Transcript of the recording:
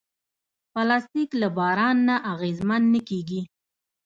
پلاستيک له باران نه اغېزمن نه کېږي.